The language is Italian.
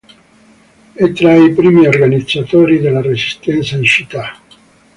È tra i primi organizzatori della resistenza in città.